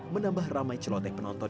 menambah ramai celoteh penonton